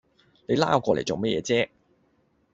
你拉我過嚟做咩嘢啫